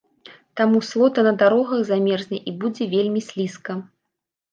Таму слота на дарогах замерзне і будзе вельмі слізка.